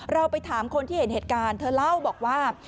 เราไปถามคนที่เห็นเหตุการณ์เธอเล่าบอกว่า